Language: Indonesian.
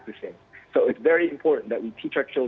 anak anak kita bagaimana berpengalaman